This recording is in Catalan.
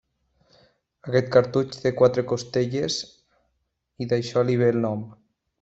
Aquest cactus té quatre costelles i d'això li ve el nom.